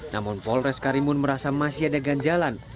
namun polres karimun merasa masih ada ganjalan